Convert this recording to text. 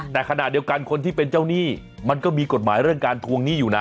แต่ขณะเดียวกันคนที่เป็นเจ้าหนี้มันก็มีกฎหมายเรื่องการทวงหนี้อยู่นะ